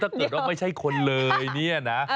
ถ้าเกิดว่าไม่ใช่คนเลยเนี่ยนะ